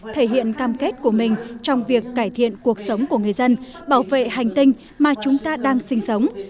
thể hiện cam kết của mình trong việc cải thiện cuộc sống của người dân bảo vệ hành tinh mà chúng ta đang sinh sống